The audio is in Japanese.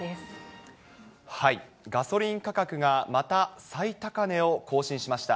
ガソリン価格がまた最高値を更新しました。